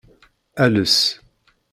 Ales.